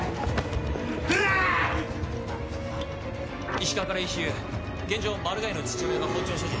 石川からＥＣＵ現場マルガイの父親が包丁を所持。